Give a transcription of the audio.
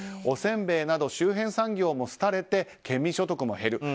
おせんべいなど周辺産業もすたれて県民所得も減る。